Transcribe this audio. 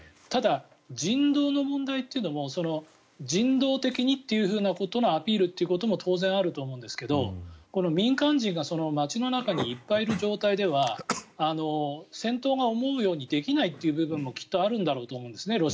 ただ、人道の問題というのも人道的にということのアピールということも当然、あると思うんですが民間人が街の中にいっぱいいる状態では戦闘が思うようにできないという部分もきっとあるんだろうと思うんですね。